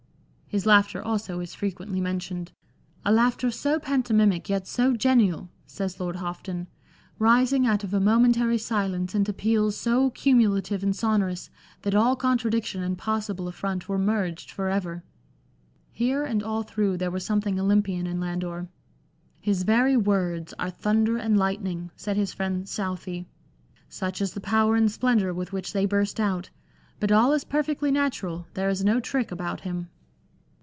") His laughter also is frequently mentioned, " a laughter so panto mimic yet so genial," says Lord Houghton, " rising out of a momentary silence into peals so cumulative and sonorous, that all contradiction and possible affront were merged for ever." Here and all through there was something Olympian in Landor. " His very words are thunder and lightning," said his friend Southey, " such is the power and splendour with which they burst out. But all is perfectly natural ; there is no trick about him."